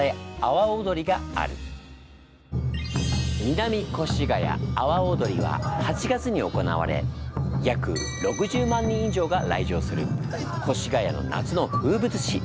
南越谷阿波踊りは８月に行われ約６０万人以上が来場する越谷の夏の風物詩。